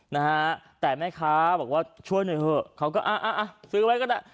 นะฮะแต่แม่ค้าบอกว่าช่วยหน่อยเถอะเขาก็อ่ะอ่ะซื้อไว้ก็ได้